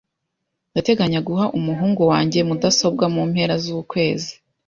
Ndateganya guha umuhungu wanjye mudasobwa mu mpera zukwezi .